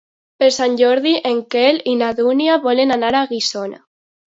Per Sant Jordi en Quel i na Dúnia volen anar a Guissona.